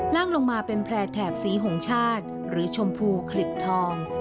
ล่างลงมาเป็นแพร่แถบสีหงชาติหรือชมพูขลิบทอง